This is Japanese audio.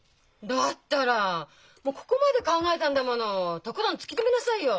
だったらもうここまで考えたんだものとことん突き詰めなさいよ！